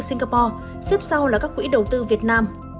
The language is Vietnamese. singapore xếp sau là các quỹ đầu tư việt nam